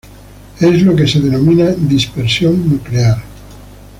Es lo que se denomina dispersión nuclear.